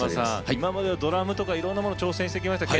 今までドラムとかいろんなもの挑戦してきました。